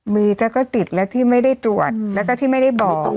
มีแต่ก็ติดแล้วที่ไม่ได้ตรวจแล้วก็ที่ไม่ได้บอก